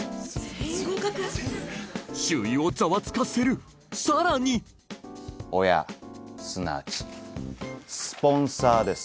全員合格⁉周囲をざわつかせるさらに親すなわちスポンサーです。